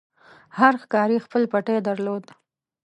هر ښکاري خپل پټی درلود.